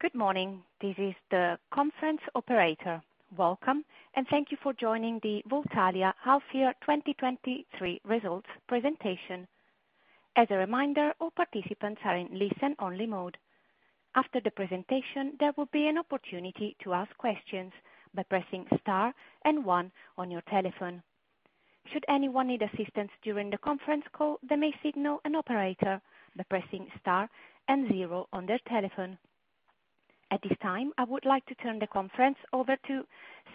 Good morning! This is the conference operator. Welcome, and thank you for joining the Voltalia Half Year 2023 Results Presentation. As a reminder, all participants are in listen only mode. After the presentation, there will be an opportunity to ask questions by pressing star and one on your telephone. Should anyone need assistance during the conference call, they may signal an operator by pressing star and zero on their telephone. At this time, I would like to turn the conference over to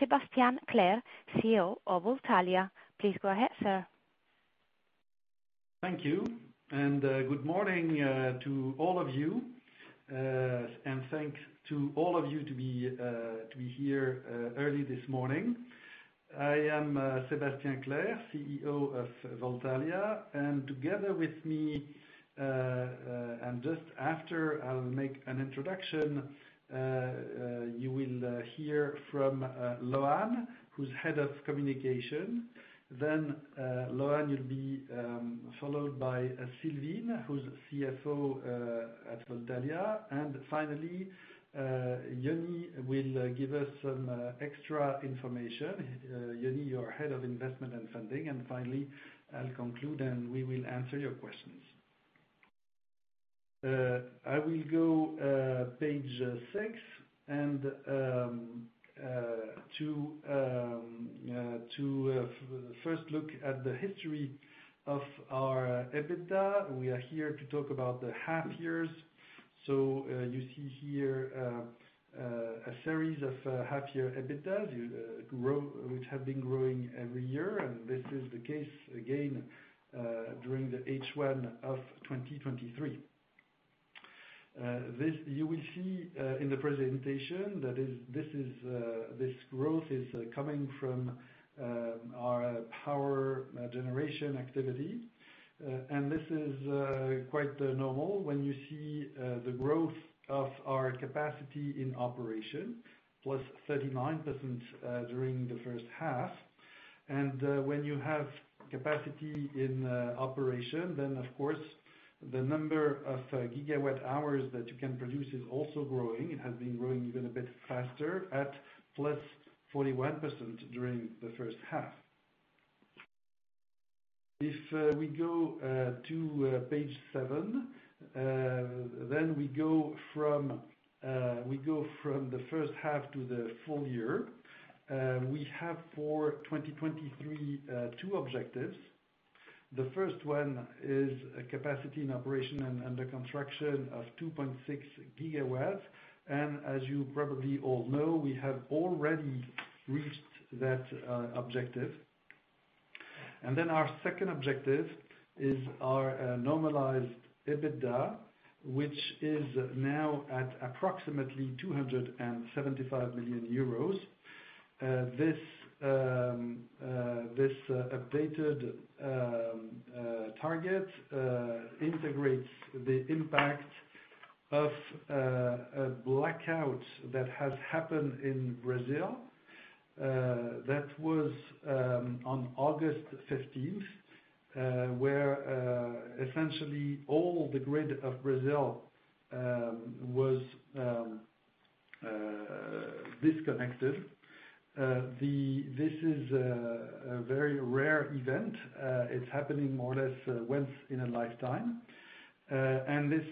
Sébastien Clerc, CEO of Voltalia. Please go ahead, sir. Thank you, and good morning to all of you. Thanks to all of you to be here early this morning. I am Sébastien Clerc, CEO of Voltalia, and together with me... And just after, I'll make an introduction, you will hear from Loan, who's Head of Communication. Then, Loan will be followed by Sylvine, who's CFO at Voltalia. And finally, Yoni will give us some extra information. Yoni, you're Head of Investment and Funding. And finally, I'll conclude, and we will answer your questions. I will go page six, and to first look at the history of our EBITDA. We are here to talk about the half years. You see here a series of half year EBITDA which have been growing every year, and this is the case again during the H1 of 2023. This you will see in the presentation, that is, this growth is coming from our power generation activity. This is quite normal when you see the growth of our capacity in operation +39% during the first half. When you have capacity in operation, then of course, the number of GWh that you can produce is also growing. It has been growing even a bit faster at +41% during the first half. If we go to page seven, then we go from the first half to the full year. We have for 2023 two objectives. The first one is a capacity in operation and the construction of 2.6 GWs. As you probably all know, we have already reached that objective. Then our second objective is our normalized EBITDA, which is now at approximately 275 million euros. This updated target integrates the impact of a blackout that has happened in Brazil. That was on August fifteenth, where essentially all the grid of Brazil was disconnected. This is a very rare event. It's happening more or less once in a lifetime. And this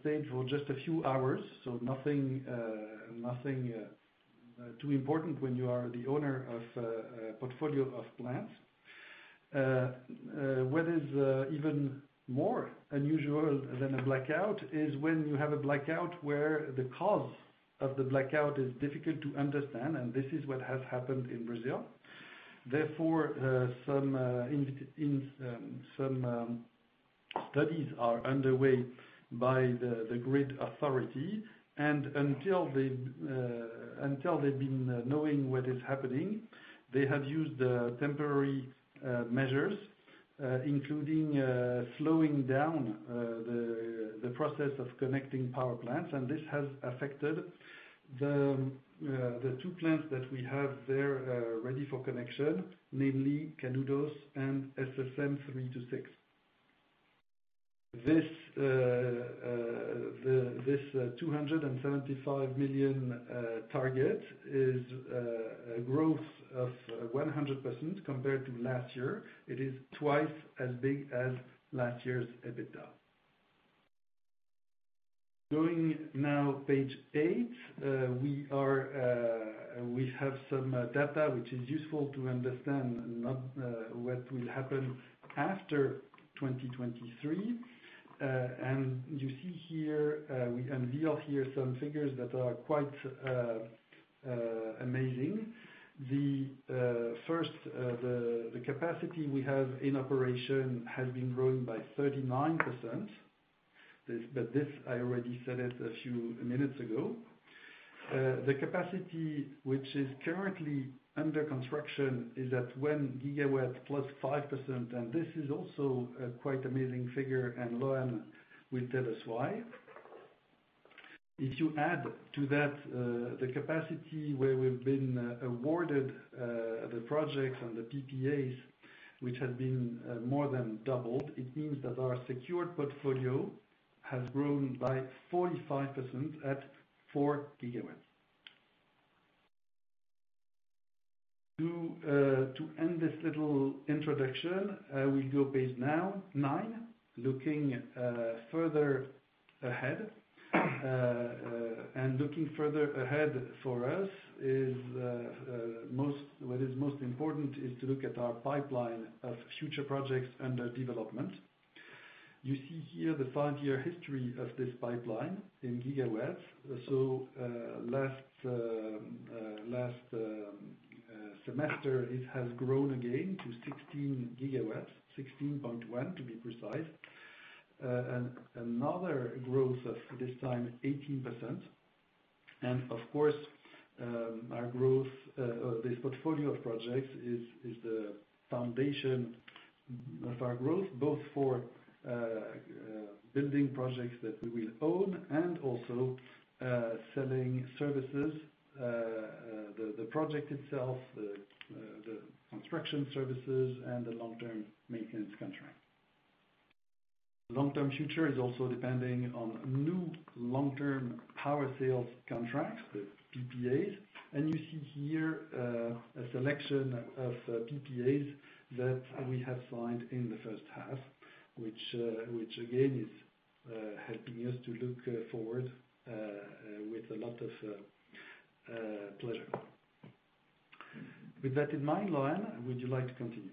stayed for just a few hours, so nothing too important when you are the owner of a portfolio of plants. What is even more unusual than a blackout is when you have a blackout where the cause of the blackout is difficult to understand, and this is what has happened in Brazil. Therefore, some studies are underway by the grid authority. And until they've been knowing what is happening, they have used temporary measures, including slowing down the process of connecting power plants, and this has affected the two plants that we have there ready for connection, namely Canudos and SSM 3-6. This two hundred and seventy-five million target is a growth of 100% compared to last year. It is twice as big as last year's EBITDA. Going now, page 8, we have some data, which is useful to understand what will happen after 2023. And you see here, we unveil here some figures that are quite amazing. The capacity we have in operation has been growing by 39%. This, but this, I already said it a few minutes ago. The capacity, which is currently under construction, is at 1 GW +5%, and this is also a quite amazing figure, and Loan will tell us why. If you add to that, the capacity where we've been awarded the projects and the PPAs, which have been more than doubled, it means that our secured portfolio has grown by 45% to 4 GW. To end this little introduction, I will now go to page 9, looking further ahead. Looking further ahead for us, what is most important is to look at our pipeline of future projects under development. You see here the five-year history of this pipeline in GWs. So, last semester, it has grown again to 16 GWs, 16.1, to be precise. And another growth of this time, 18%. And of course, our growth, this portfolio of projects is the foundation of our growth, both for building projects that we will own and also selling services, the project itself, the construction services and the long-term maintenance contract. Long-term future is also depending on new long-term power sales contracts, the PPAs. And you see here a selection of PPAs that we have signed in the first half, which again is helping us to look forward with a lot of pleasure. With that in mind, Loan, would you like to continue?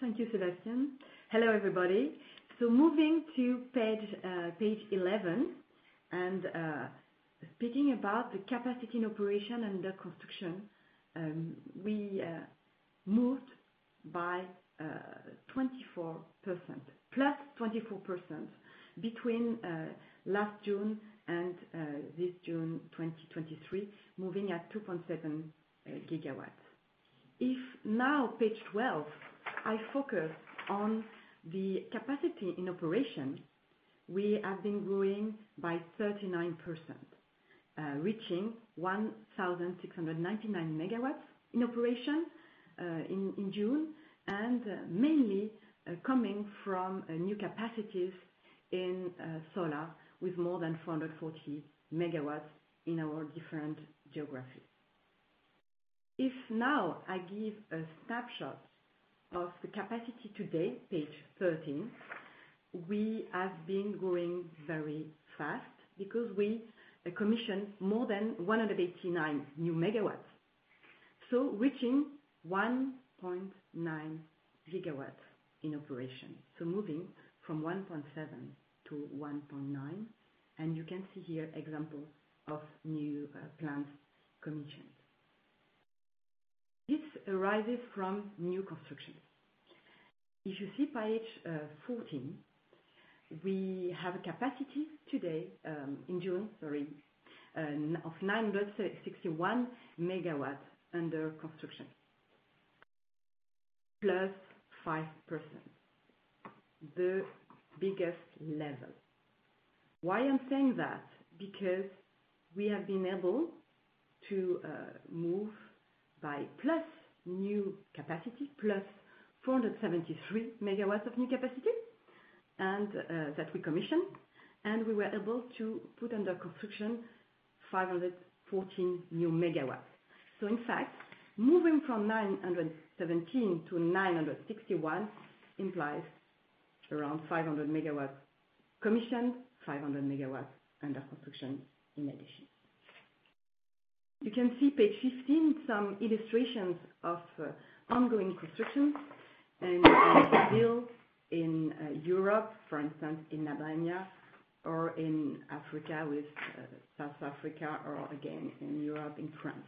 Thank you, Sébastien. Hello, everybody. So moving to page 11, and speaking about the capacity in operation and the construction, we moved by 24%. +24% between last June and this June 2023, moving at 2.7 GWs. If now, page 12, I focus on the capacity in operation, we have been growing by 39%, reaching 1,699 MWs in operation, in June, and mainly coming from new capacities in solar, with more than 440 MWs in our different geographies. If now I give a snapshot of the capacity today, page 13, we have been growing very fast because we commissioned more than 189 new megawatts, so reaching 1.9 GWs in operation. So moving from 1.7 - 1.9, and you can see here examples of new plants commissioned. This arises from new construction. If you see page 14, we have a capacity today in June of 961 MW under construction, +5%, the biggest level. Why I'm saying that? Because we have been able to move by plus new capacity, plus 473 MW of new capacity and that we commissioned, and we were able to put under construction 514 new MW. So in fact, moving from 917 - 961 implies around 500 MW commissioned, 500 MW under construction in addition. You can see page 15, some illustrations of ongoing construction, and still in Europe, for instance, in Romania or in Africa, with South Africa, or again in Europe, in France.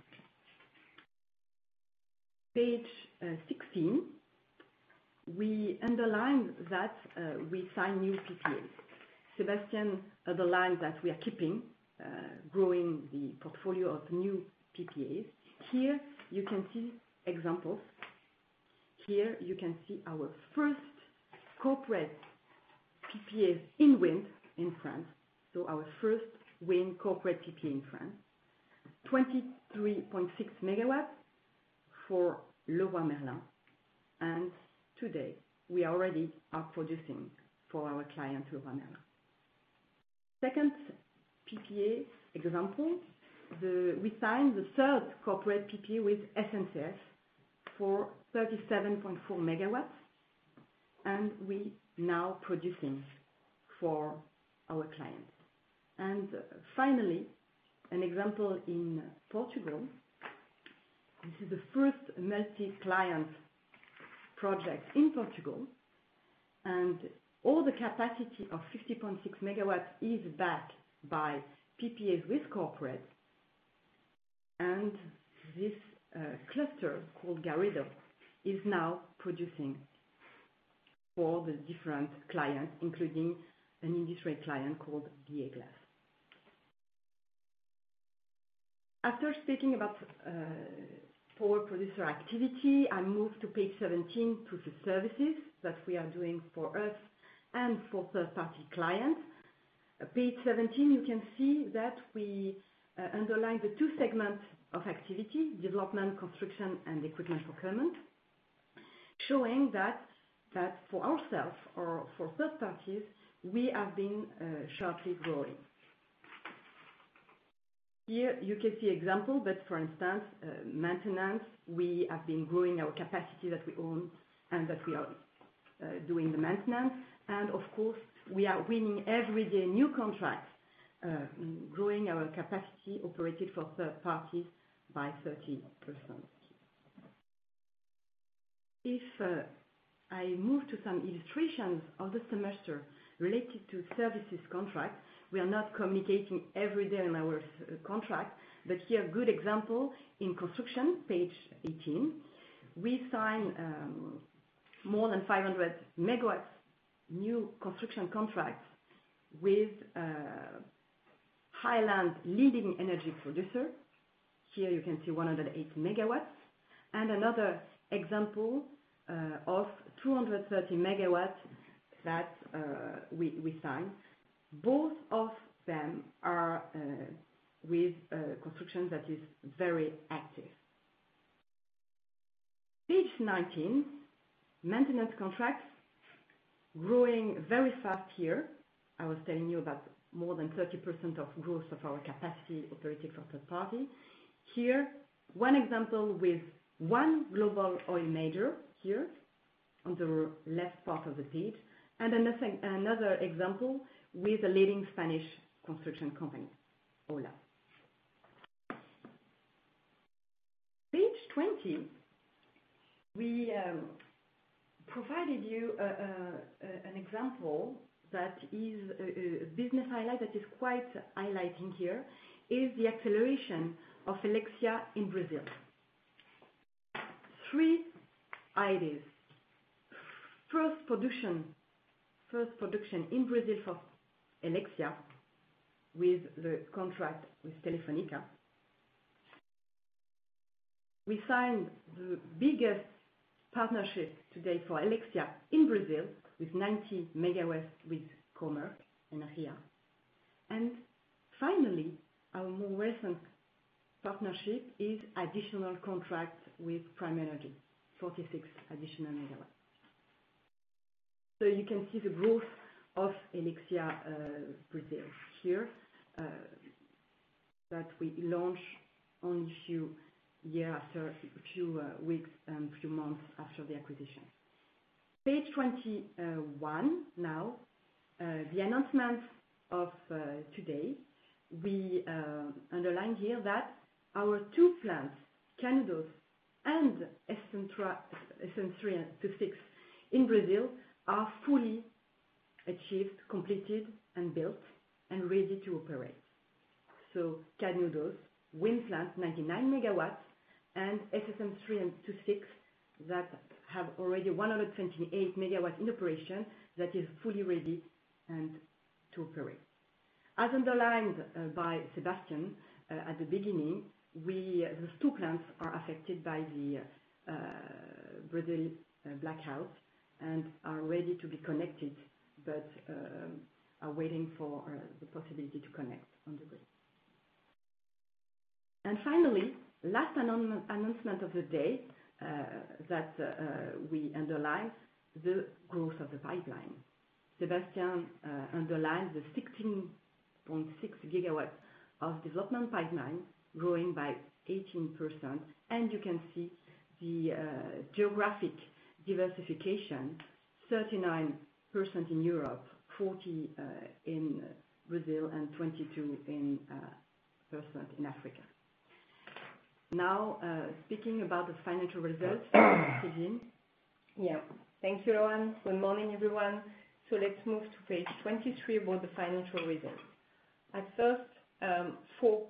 Page 16, we underline that we sign new PPAs. Sébastien underlined that we are keeping growing the portfolio of new PPAs. Here, you can see examples. Here you can see our first corporate PPAs in wind in France, so our first wind corporate PPA in France. 23.6 MWs for Leroy Merlin, and today we already are producing for our client, Leroy Merlin. Second PPA example, we signed the third corporate PPA with SNCF for 37.4 MWs, and we now producing for our clients. And finally, an example in Portugal. This is the first multi-client project in Portugal, and all the capacity of 50.6 MWs is backed by PPAs with corporate. And this cluster called Garrido is now producing for the different clients, including an industry client called BA Glass. After speaking about power producer activity, I move to page 17, to the services that we are doing for us and for third party clients. Page 17, you can see that we underline the two segments of activity, development, construction, and equipment procurement. Showing that for ourselves or for third parties, we have been sharply growing. Here, you can see example, but for instance, maintenance, we have been growing our capacity that we own and that we are doing the maintenance. Of course, we are winning every day new contracts, growing our capacity operated for third parties by 30%. If I move to some illustrations of the semester related to services contracts, we are not communicating every day on our services contract, but here, good example, in construction, page 18, we sign more than 500 MW new construction contracts with a leading energy producer. Here you can see 108 MW. And another example of 230 MW that we signed. Both of them are with construction that is very active. Page 19, maintenance contracts growing very fast here. I was telling you about more than 30% of growth of our capacity operated for third party. Here, one example with one global oil major, here, on the left part of the page, and another example with a leading Spanish construction company, OHLA. Page 20. We provided you an example that is a business highlight that is quite highlighting here, is the acceleration of Helexia in Brazil. 3 ideas. First production in Brazil for Helexia, with the contract with Telefónica. We signed the biggest partnership today for Helexia in Brazil, with 90 megawatts with Comerc Energia. And finally, our more recent partnership is an additional contract with Prime Energy, 46 additional megawatts. So you can see the growth of Helexia in Brazil here, that we launched only a few years after a few weeks and a few months after the acquisition. Page 21, now the announcement of today, we underlined here that our two plants, Canudos and SSM 3-6, in Brazil, are fully achieved, completed, and built and ready to operate. So Canudos wind plant, 99 MWs and SSM 3-6, that have already 128 MWs in operation, that is fully ready and to operate. As underlined by Sébastien at the beginning, those two plants are affected by the Brazil blackout and are ready to be connected, but are waiting for the possibility to connect on the grid. And finally, last announcement of the day, that we underline, the growth of the pipeline. Sébastien underlined the 16.6 GW of development pipeline, growing by 18%, and you can see the geographic diversification, 39% in Europe, 40% in Brazil, and 22% in Africa. Now, speaking about the financial results, Sylvine. Yeah. Thank you, Loan. Good morning, everyone. So let's move to page 23, about the financial results. At first, four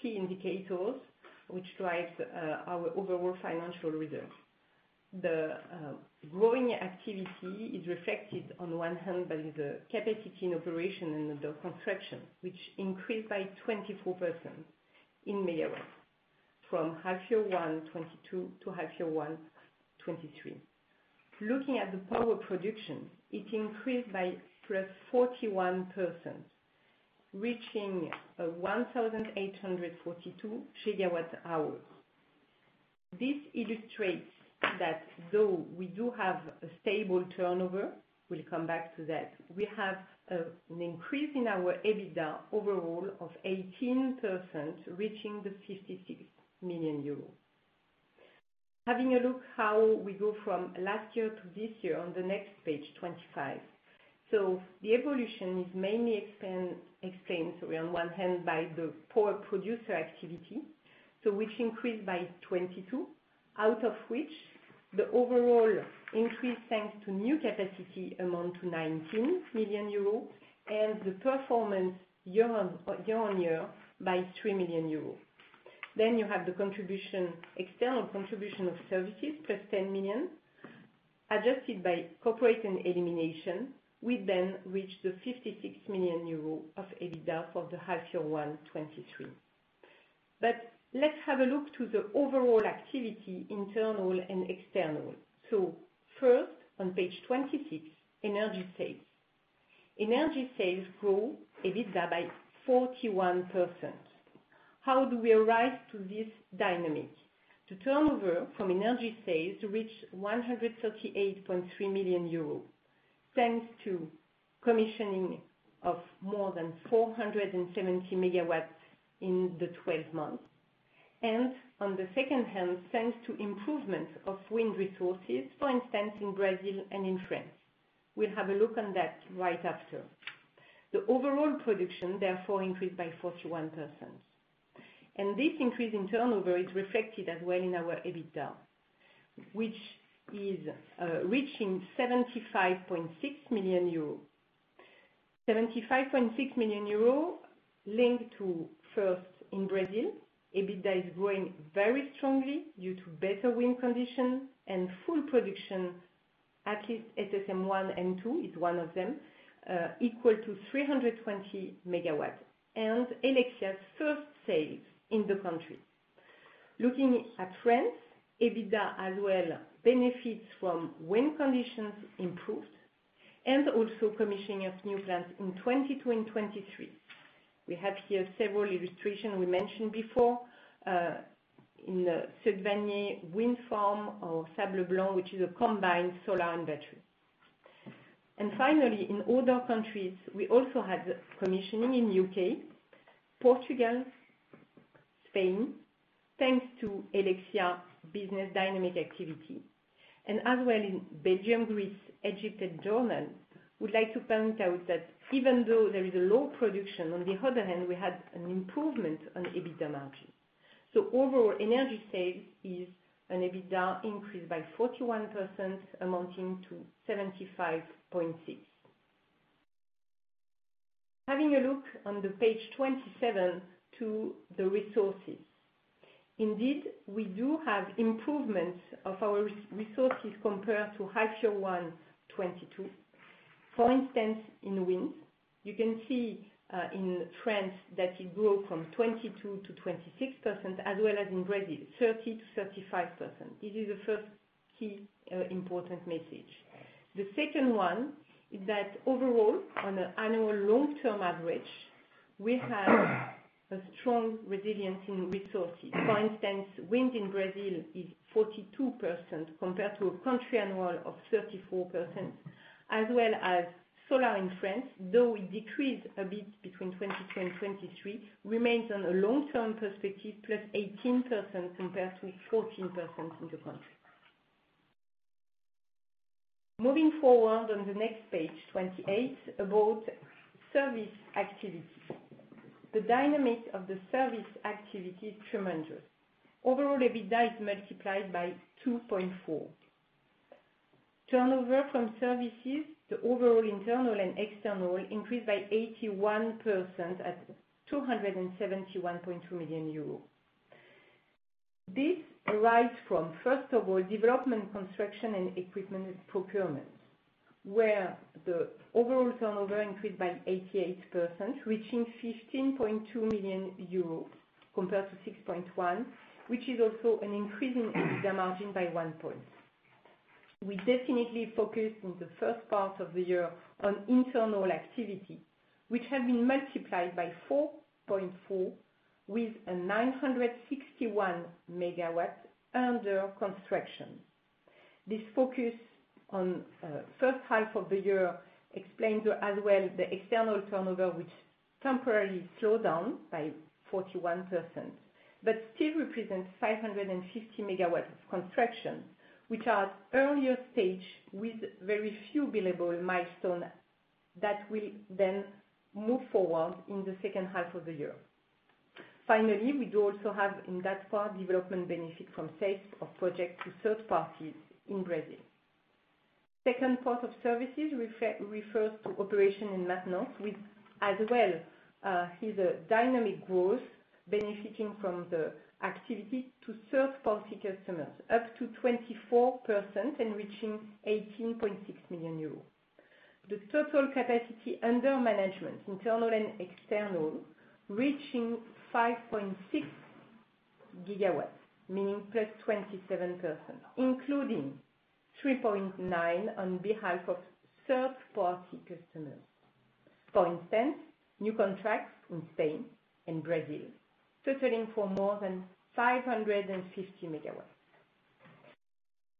key indicators which drives our overall financial results. The growing activity is reflected on one hand by the capacity in operation and the construction, which increased by 24% in MW, from H1 2022 to H1 2023. Looking at the power production, it increased by +41%, reaching 1,842 GWh. This illustrates that though we do have a stable turnover, we'll come back to that, we have an increase in our EBITDA overall of 18%, reaching 56 million euros. Having a look how we go from last year to this year on the next page 25. So the evolution is mainly explain, explained, sorry, on one hand by the power production activity, so which increased by 22, out of which the overall increase, thanks to new capacity, amount to 19 million euro and the performance year-on-year by 3 million euro. Then you have the contribution, external contribution of services, plus 10 million.... adjusted by corporate and elimination, we then reach the 56 million euro of EBITDA for the half-year 2023. But let's have a look to the overall activity, internal and external. So first, on page 26, Energy Sales. Energy Sales grow EBITDA by 41%. How do we arrive to this dynamic? The turnover from energy sales reached 138.3 million euros, thanks to commissioning of more than 470 megawatts in the 12 months, and on the second hand, thanks to improvement of wind resources, for instance, in Brazil and in France. We'll have a look on that right after. The overall production, therefore, increased by 41%, and this increase in turnover is reflected as well in our EBITDA, which is reaching 75.6 million euro. 75.6 million euro linked to, first, in Brazil, EBITDA is growing very strongly due to better wind conditions and full production, at least SSM 1 and 2 is one of them, equal to 320 MWs, and Helexia's first sales in the country. Looking at France, EBITDA as well benefits from improved wind conditions, and also commissioning of new plants in 2022 and 2023. We have here several illustrations we mentioned before in the Sud Vannier wind farm or Sable Blanc, which is a combined solar and battery. And finally, in other countries, we also had commissioning in U.K., Portugal, Spain, thanks to Helexia business dynamic activity. And as well in Belgium, Greece, Egypt, and Jordan, we'd like to point out that even though there is a low production, on the other hand, we had an improvement on EBITDA margin. So overall, Energy Sales EBITDA increased by 41%, amounting to EUR 75.6 million. Having a look on page 27 to the resources. Indeed, we do have improvements of our resources compared to H1 2022. For instance, in wind, you can see in France, that it grew from 22%-26%, as well as in Brazil, 30%-35%. This is the first key important message. The second one is that overall, on an annual long-term average, we have a strong resilience in resources. For instance, wind in Brazil is 42% compared to a country annual of 34%. As well as solar in France, though it decreased a bit between 2022 and 2023, remains on a long-term perspective,+18% compared with 14% in the country. Moving forward on the next page, 28, about service activity. The dynamic of the service activity is tremendous. Overall, EBITDA is multiplied by 2.4. Turnover from services to overall internal and external increased by 81% at 271.2 million euros. This arrives from, first of all, development, construction, and equipment procurement, where the overall turnover increased by 88%, reaching 15.2 million euros compared to 6.1 million, which is also an increase in EBITDA margin by 1 point. We definitely focused on the first part of the year on internal activity, which has been multiplied by 4.4, with 961 MWs under construction. This focus on first half of the year explains as well the external turnover, which temporarily slowed down by 41%, but still represents 550 megawatts of construction, which are at earlier stage with very few billable milestone that will then move forward in the second half of the year. Finally, we do also have, in that part, development benefit from sales of project to third parties in Brazil. Second part of services refers to operation and maintenance, which as well is a dynamic growth benefiting from the activity to third-party customers, up 24% and reaching 18.6 million euros. The total capacity under management, internal and external, reaching 5.6 GW, meaning +27%, including 3.9 GW on behalf of third-party customers. For instance, new contracts in Spain and Brazil, totaling for more than 550 MW.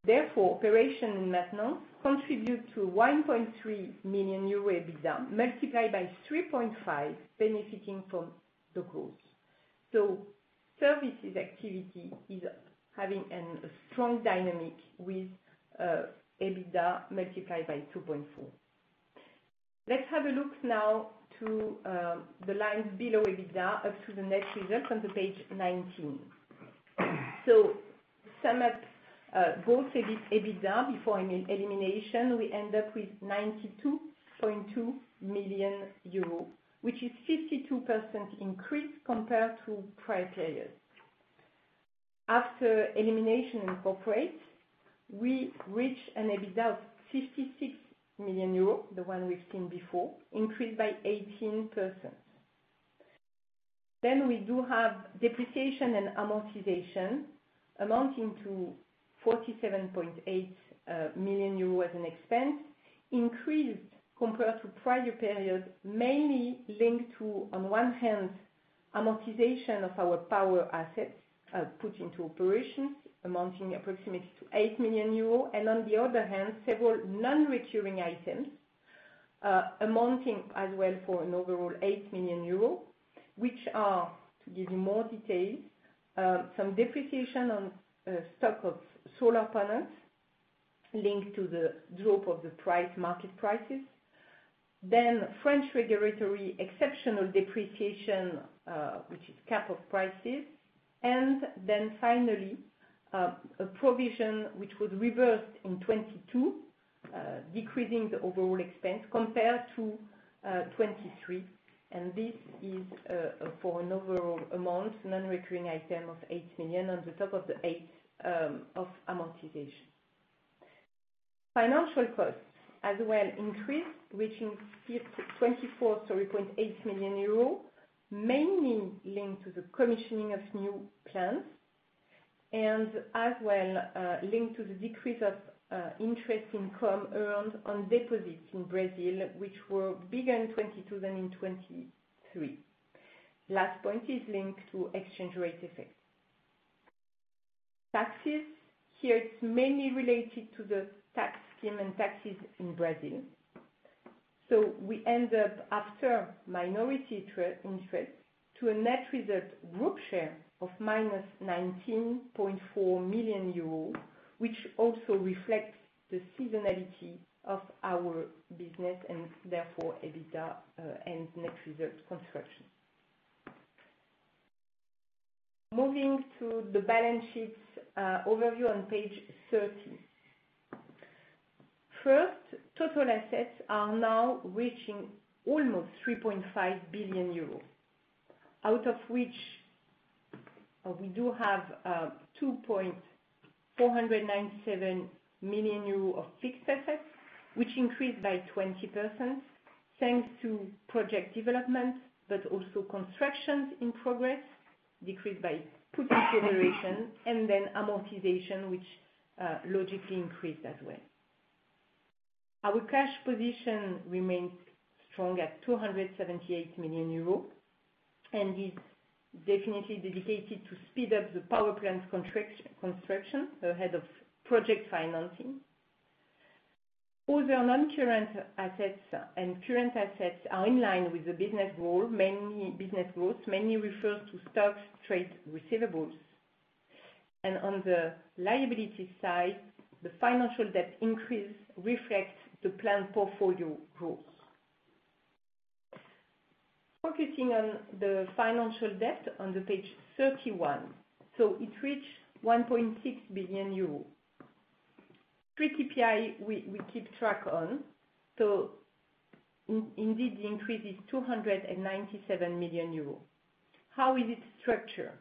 Therefore, operation and maintenance contribute to 1.3 million euro EBITDA, multiplied by 3.5x, benefiting from the growth. So services activity is having a strong dynamic with EBITDA multiplied by 2.4x. Let's have a look now to the lines below EBITDA, up to the net results on the page 19. So to sum up, both EBITDA before an elimination, we end up with 92.2 million euros, which is 52% increase compared to prior periods. After elimination in corporate, we reach an EBITDA of 66 million euros, the one we've seen before, increased by 18%. Then we do have depreciation and amortization amounting to 47.8 million euros as an expense, increased compared to prior periods, mainly linked to, on one hand, amortization of our power assets put into operations amounting approximately to 8 million euros. And on the other hand, several non-recurring items amounting as well for an overall 8 million euros, which are, to give you more details, some depreciation on stock of solar panels linked to the drop of the price, market prices. Then French regulatory exceptional depreciation, which is cap of prices. And then finally, a provision which would reverse in 2022, decreasing the overall expense compared to 2023. And this is for an overall amount, non-recurring item of 8 million on top of the 8 of amortization. Financial costs as well increased, reaching 24.8 million euros, mainly linked to the commissioning of new plants and as well, linked to the decrease of interest income earned on deposits in Brazil, which were bigger in 2022 than in 2023. Last point is linked to exchange rate effects. Taxes, here it's mainly related to the tax scheme and taxes in Brazil. So we end up after minority interest, to a net result group share of -19.4 million euros, which also reflects the seasonality of our business and therefore, EBITDA and net result construction. Moving to the balance sheet overview on page 13. First, total assets are now reaching almost 3.5 billion euros. Out of which, we do have 249.7 million euros of fixed assets, which increased by 20%, thanks to project developments, but also constructions in progress, decreased by put in generation, and then amortization, which logically increased that way. Our cash position remains strong at 278 million euros, and is definitely dedicated to speed up the power plant contract construction ahead of project financing. Other non-current assets and current assets are in line with the business growth, mainly business growth, mainly refers to stock trade receivables. On the liability side, the financial debt increase reflects the plant portfolio growth. Focusing on the financial debt on page 31, so it reached 1.6 billion euros. Three KPI we keep track on, so indeed, the increase is 297 million euros. How is it structured?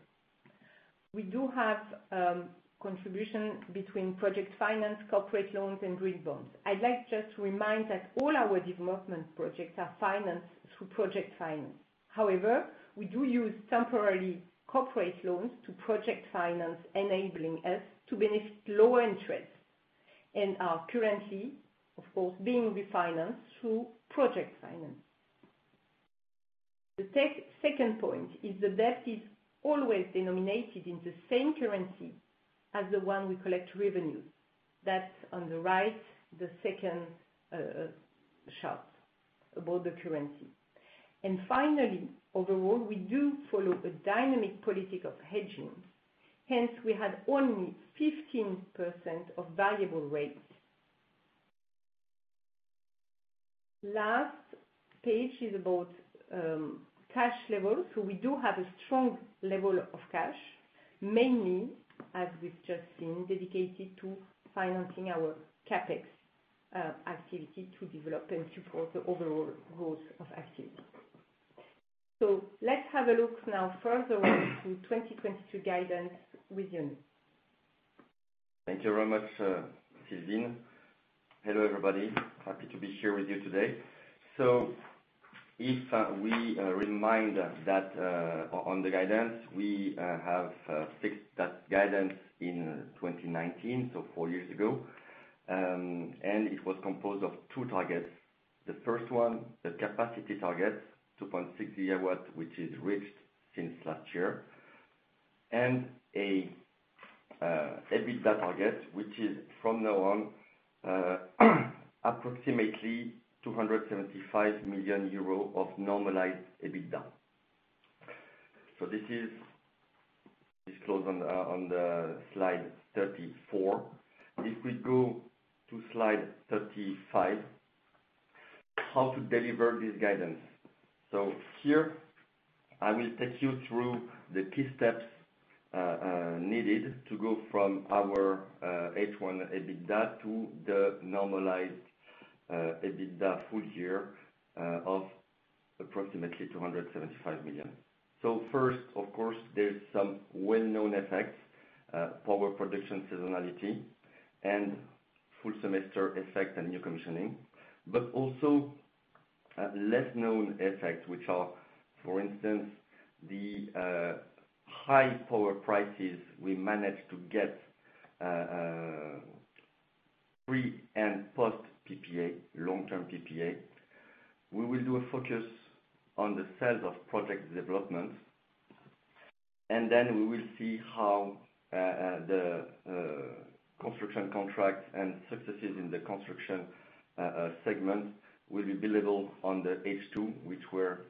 We do have contribution between project finance, corporate loans, and green bonds. I'd like just to remind that all our development projects are financed through project finance. However, we do use temporarily corporate loans to project finance, enabling us to benefit lower interest, and are currently, of course, being refinanced through project finance. The second point is the debt is always denominated in the same currency as the one we collect revenues. That's on the right, the second chart about the currency. And finally, overall, we do follow a dynamic policy of hedging. Hence, we had only 15% of variable rates. Last page is about cash levels. So we do have a strong level of cash, mainly, as we've just seen, dedicated to financing our CapEx activity to develop and support the overall growth of activity. So let's have a look now further on to 2022 guidance with Yoni. Thank you very much, Sylvie. Hello, everybody. Happy to be here with you today. So if we remind that on the guidance, we have fixed that guidance in 2019, so four years ago. And it was composed of two targets. The first one, the capacity target, 2.6 GW, which is reached since last year. And a EBITDA target, which is from now on, approximately 275 million euros of normalized EBITDA. So this is disclosed on the slide 34. If we go to slide 35, how to deliver this guidance? So here I will take you through the key steps needed to go from our H1 EBITDA to the normalized EBITDA full year of approximately 275 million. So first, of course, there's some well-known effects, power production seasonality, and full semester effect and new commissioning, but also, less known effects, which are, for instance, the, high power prices we managed to get, pre and post PPA, long-term PPA. We will do a focus on the sales of project development, and then we will see how, the, construction contracts and successes in the construction, segment will be billable on the H2, which were,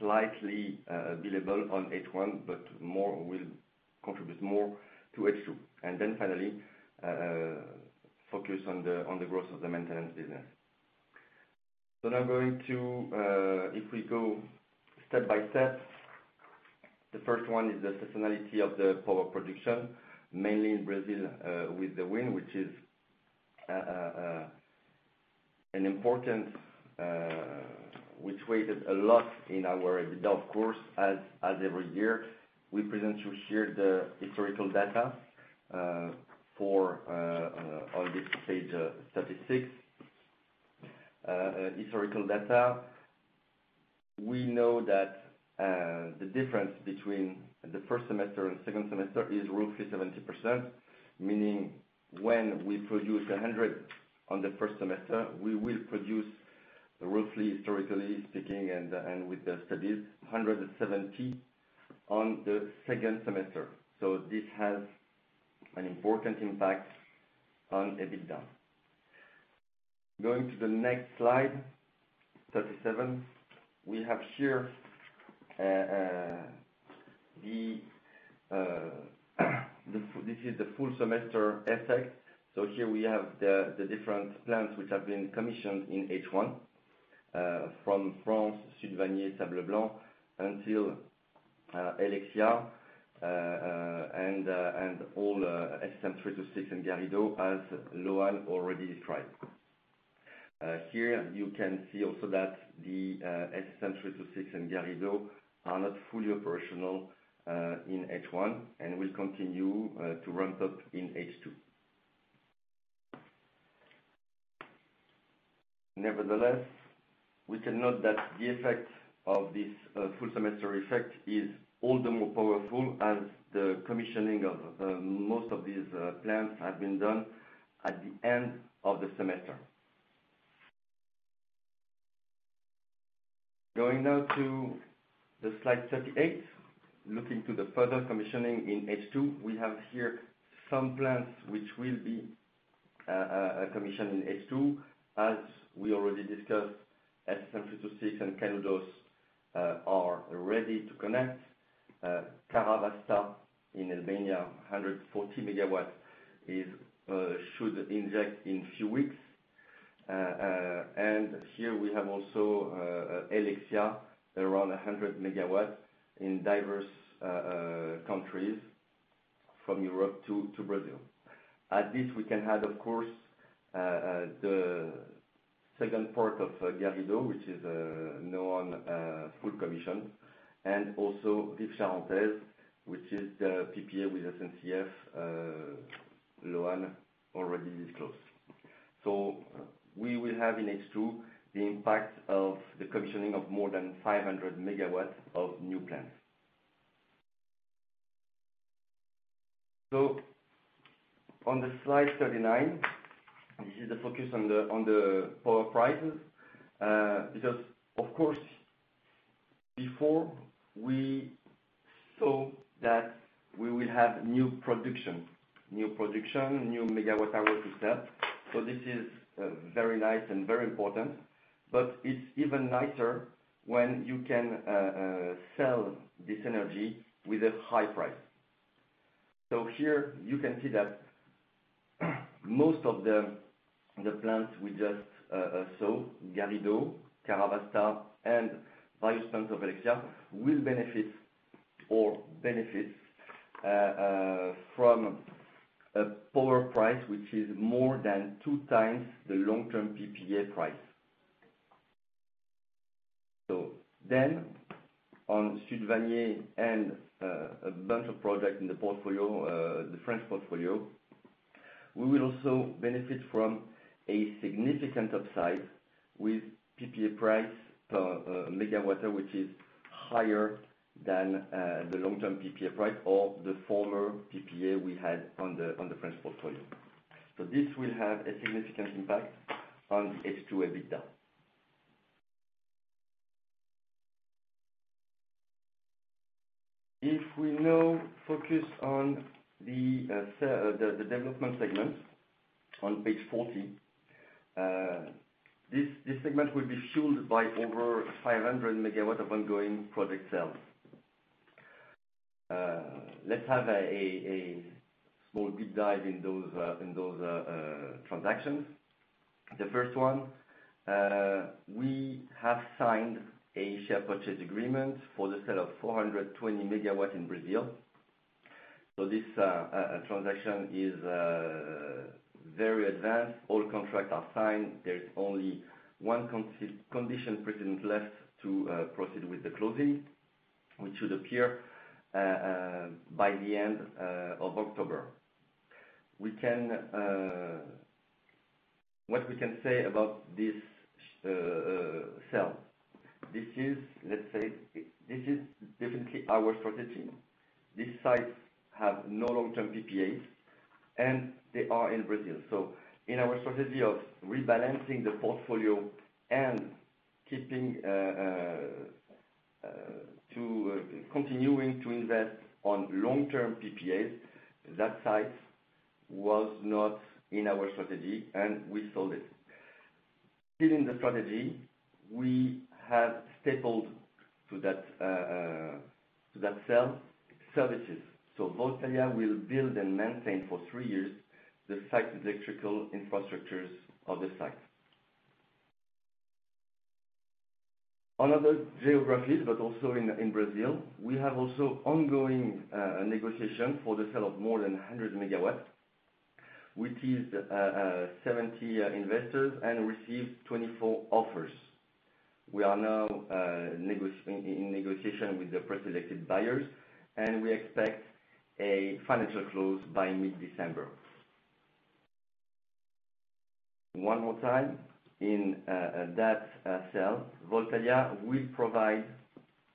slightly, billable on H1, but more will contribute more to H2. And then finally, focus on the, on the growth of the maintenance business. So now going to, if we go step by step, the first one is the seasonality of the power production, mainly in Brazil, with the wind, which is an important which weighed a lot in our EBITDA, of course, as every year. We present you here the historical data on this page 36. We know that the difference between the first semester and second semester is roughly 70%, meaning when we produce 100 on the first semester, we will produce roughly, historically speaking, and with the studies, 170 on the second semester. So this has an important impact on EBITDA. Going to the next slide, 37. We have here this is the full semester effect. So here we have the different plants which have been commissioned in H1, from France, Sud Vannier, Sable Blanc, until Helexia, and all SSM 3-6 and Garrido, as Loan already described. Here, you can see also that the SSM 3-6 and Garrido are not fully operational in H1, and will continue to ramp up in H2. Nevertheless, we can note that the effect of this full semester effect is all the more powerful as the commissioning of most of these plants have been done at the end of the semester. Going now to slide 38, looking to the further commissioning in H2. We have here some plants which will be commissioned in H2. As we already discussed, SSM 3-6 and Canudos are ready to connect. Karavasta in Albania, 140 MWs is should inject in few weeks. And here we have also Helexia, around 100 MWs in diverse countries, from Europe to Brazil. At this, we can add, of course, the second part of Garrido, which is now on full commission, and also Rives Charentaises, which is the PPA with SNCF, Loan already disclosed. So we will have in H2 the impact of the commissioning of more than 500 MWs of new plants. So on the slide 39, this is the focus on the power prices. Because, of course, before we saw that we will have new production, new production, new MWh to sell. So this is very nice and very important, but it's even nicer when you can sell this energy with a high price. So here you can see that most of the plants we just saw, Garrido, Karavasta, and various plants of Helexia, will benefit from a power price which is more than two times the long-term PPA price. So then, on Sud Vannier and a bunch of projects in the portfolio, the French portfolio, we will also benefit from a significant upside with PPA price per MW, which is higher than the long-term PPA price or the former PPA we had on the French portfolio. So this will have a significant impact on the H2 EBITDA. If we now focus on the development segment on page 40, this segment will be fueled by over 500 MWs of ongoing project sales. Let's have a small deep dive in those transactions. The first one, we have signed a share purchase agreement for the sale of 420 MWs in Brazil. So this transaction is very advanced. All contracts are signed. There's only one condition precedent left to proceed with the closing, which should appear by the end of October. What we can say about this sale? This is, let's say, this is definitely our strategy. These sites have no long-term PPAs, and they are in Brazil. So in our strategy of rebalancing the portfolio and keeping to continuing to invest on long-term PPAs, that site was not in our strategy, and we sold it. Still in the strategy, we have stapled to that to that sale, services. So Voltalia will build and maintain for three years the site electrical infrastructures of the site. On other geographies, but also in Brazil, we have also ongoing negotiation for the sale of more than 100 MWs, which is 70 investors and received 24 offers. We are now in negotiation with the pre-selected buyers, and we expect a financial close by mid-December. One more time, in that sale, Voltalia will provide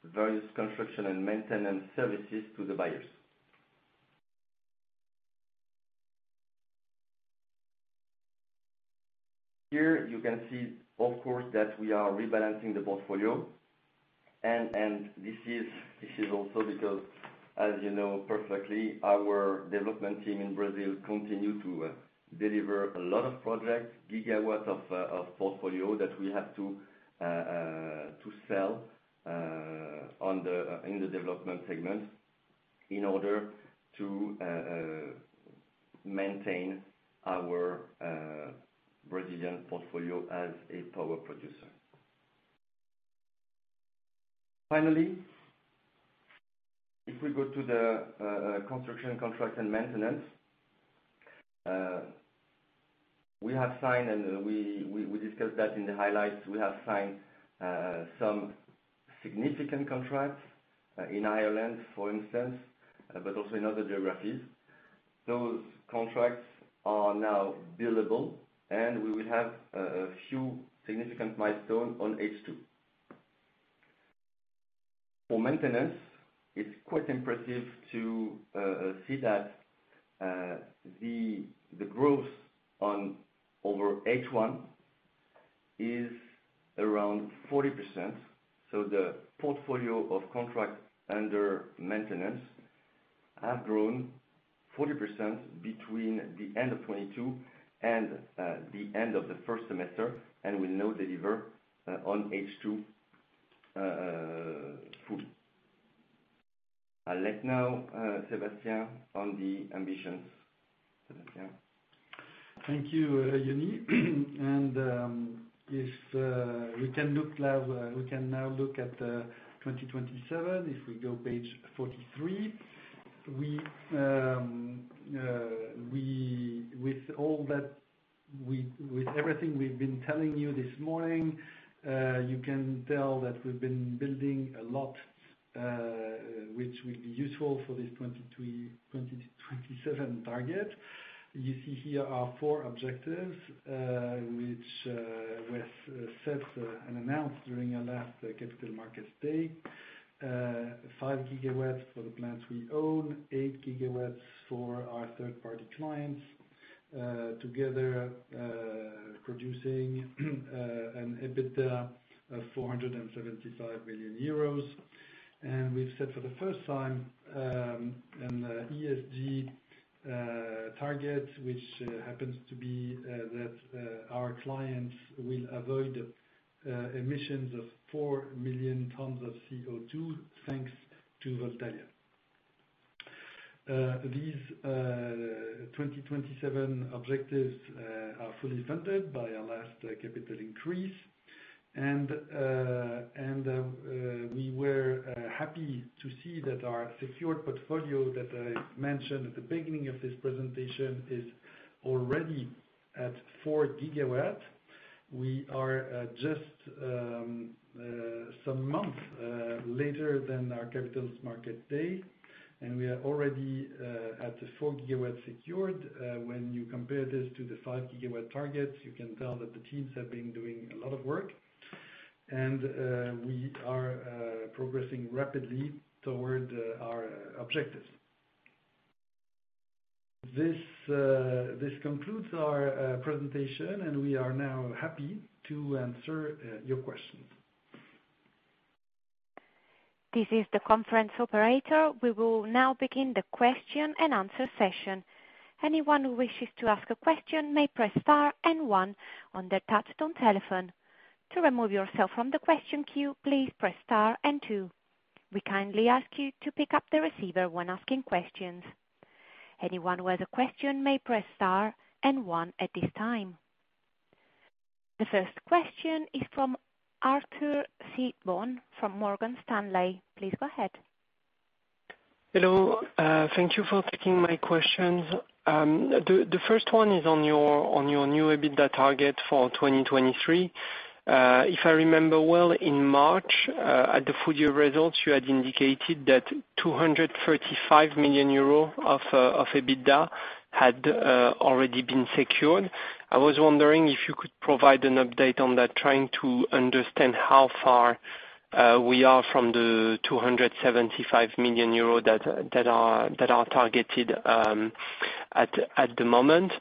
various construction and maintenance services to the buyers. Here, you can see, of course, that we are rebalancing the portfolio. This is also because, as you know perfectly, our development team in Brazil continue to deliver a lot of projects, GWs of portfolio that we have to sell in the development segment, in order to maintain our Brazilian portfolio as a power producer. Finally, if we go to the construction, contract and maintenance, we have signed, and we discussed that in the highlights. We have signed some significant contracts in Ireland, for instance, but also in other geographies. Those contracts are now billable, and we will have a few significant milestone on H2. For maintenance, it's quite impressive to see that the growth over H1 is around 40%. So the portfolio of contracts under maintenance have grown 40% between the end of 2022 and the end of the first semester, and will now deliver on H2 fully. I'll let now Sébastien on the ambitions. Sébastien? Thank you, Yoni. And, if we can look now... We can now look at 2027, if we go page 43. With everything we've been telling you this morning, you can tell that we've been building a lot, which will be useful for this 2023-2027 target. You see here our four objectives, which was set and announced during our last capital markets day. 5 GW for the plants we own, 8 GW for our third-party clients, together producing an EBITDA of 475 million euros. And we've set for the first time an ESG target, which happens to be that our clients will avoid emissions of 4 million tons of CO2, thanks to Voltalia. These 2027 objectives are fully funded by our last capital increase. We were happy to see that our secured portfolio, that I mentioned at the beginning of this presentation, is already at 4 GW. We are just some month later than our Capital Markets Day, and we are already at the 4 GW secured. When you compare this to the 5 GW targets, you can tell that the teams have been doing a lot of work, and we are progressing rapidly toward our objectives. This concludes our presentation, and we are now happy to answer your questions. This is the conference operator. We will now begin the question and answer session. Anyone who wishes to ask a question may press star and one on their touchtone telephone. To remove yourself from the question queue, please press star and two. We kindly ask you to pick up the receiver when asking questions.... Anyone with a question may press star and one at this time. The first question is from Arthur Sitbon from Morgan Stanley. Please go ahead. Hello, thank you for taking my questions. The first one is on your new EBITDA target for 2023. If I remember well, in March, at the full year results, you had indicated that 235 million euros of EBITDA had already been secured. I was wondering if you could provide an update on that, trying to understand how far we are from the 275 million euro that are targeted at the moment.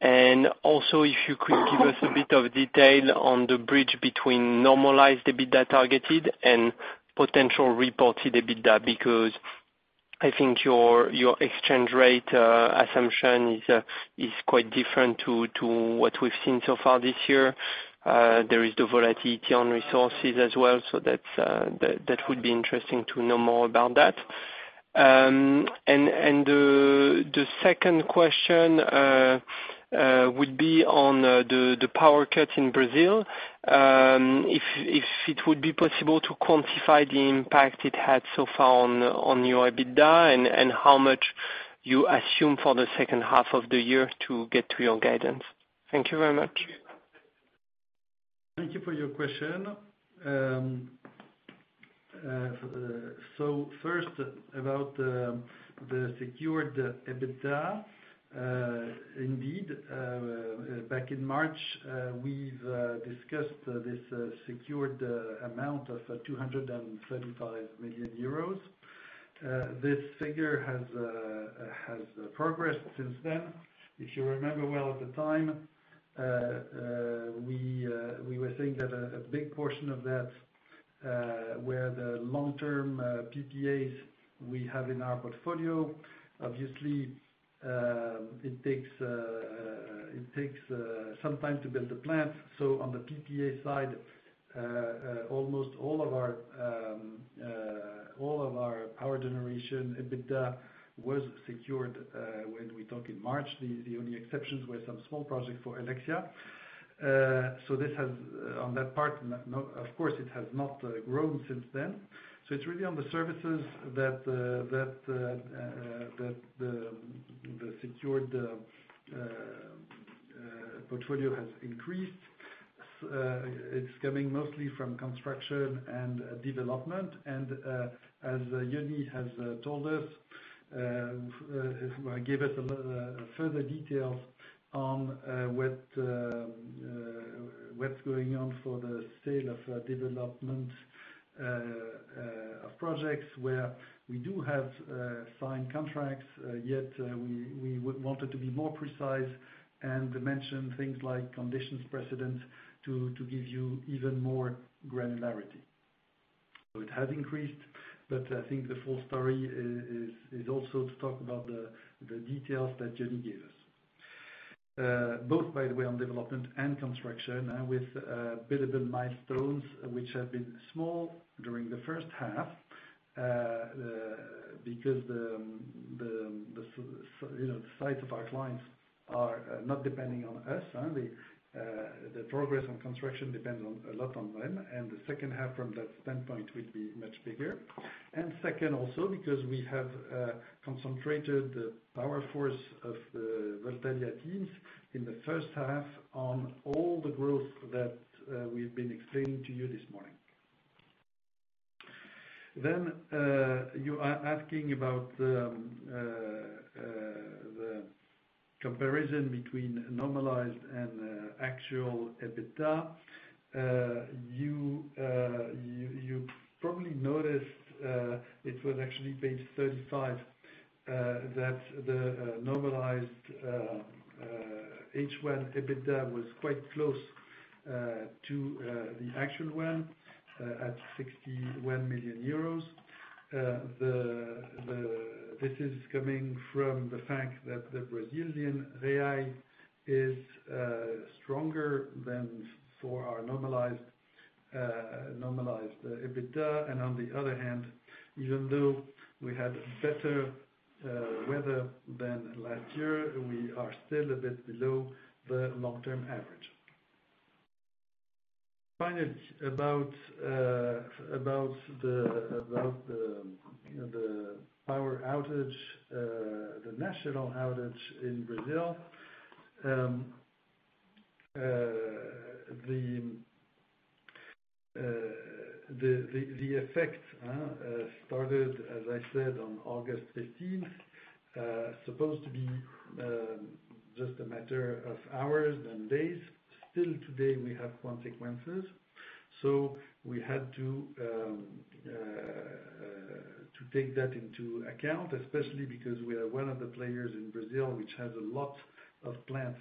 And also, if you could give us a bit of detail on the bridge between normalized EBITDA targeted and potential reported EBITDA, because I think your exchange rate assumption is quite different to what we've seen so far this year. There is the volatility on resources as well, so that would be interesting to know more about that. And the second question would be on the power cut in Brazil. If it would be possible to quantify the impact it had so far on your EBITDA, and how much you assume for the second half of the year to get to your guidance? Thank you very much. Thank you for your question. So first, about the secured EBITDA. Indeed, back in March, we've discussed this secured amount of 235 million euros. This figure has progressed since then. If you remember well at the time, we were saying that a big portion of that were the long-term PPAs we have in our portfolio. Obviously, it takes some time to build a plant. So on the PPA side, almost all of our power generation EBITDA was secured when we talked in March. The only exceptions were some small projects for Helexia. So this has, on that part, no, of course, it has not grown since then. So it's really on the services that the secured portfolio has increased. It's coming mostly from construction and development, and as Yoni has told us, gave us a lot further details on what's going on for the sale of development of projects where we do have signed contracts yet, we would want it to be more precise and mention things like conditions precedent to give you even more granularity. So it has increased, but I think the full story is also to talk about the details that Yoni gave us. Both, by the way, on development and construction, with billable milestones, which have been small during the first half, because, you know, the site of our clients are not depending on us, the progress on construction depends on a lot on them, and the second half from that standpoint will be much bigger. And second, also, because we have concentrated the power force of the Voltalia teams in the first half on all the growth that we've been explaining to you this morning. Then, you are asking about the comparison between normalized and actual EBITDA. You probably noticed it was actually page 35 that the normalized H1 EBITDA was quite close to the actual one at 61 million euros. This is coming from the fact that the Brazilian real is stronger than for our normalized EBITDA. And on the other hand, even though we had better weather than last year, we are still a bit below the long-term average. Finally, about the power outage, the national outage in Brazil. The effect started, as I said, on August fifteenth, supposed to be just a matter of hours and days. Still today, we have consequences, so we had to take that into account, especially because we are one of the players in Brazil, which has a lot of plants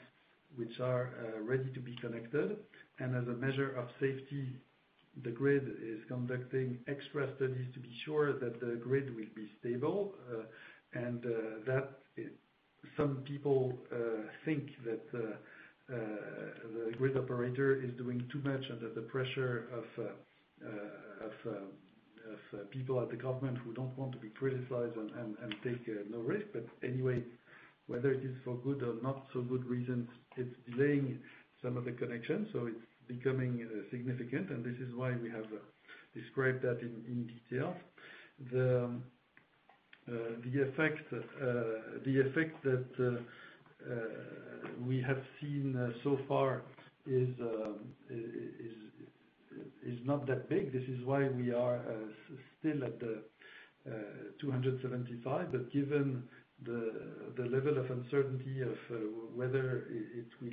which are ready to be connected, and as a measure of safety, the grid is conducting extra studies to be sure that the grid will be stable. And that is, some people think that the grid operator is doing too much under the pressure of people at the government who don't want to be criticized and take no risk. But anyway, whether it is for good or not so good reasons, it's delaying some of the connections, so it's becoming significant, and this is why we have described that in detail. The effect that we have seen so far is not that big. This is why we are still at the 275. But given the level of uncertainty of whether it will